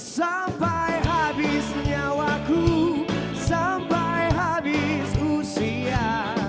sampai habis nyawaku sampai habis usia